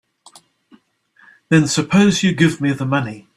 Then suppose you give me the money.